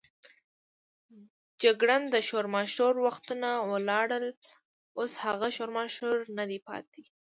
جګړن: د شورماشور وختونه ولاړل، اوس هغه شورماشور نه دی پاتې.